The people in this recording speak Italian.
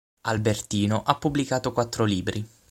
Albertino ha pubblicato quattro libri.